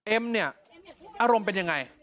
เอ็มเนี่ยอารมณ์เป็นยังไง